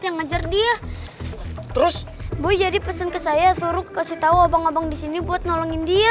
yang ngajar dia terus boy jadi pesan ke saya suruh kasih tahu abang abang disini buat nolongin dia